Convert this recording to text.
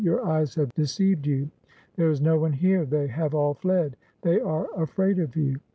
your eyes have deceived you; there is no one here; they have all fled. They are afraid of you."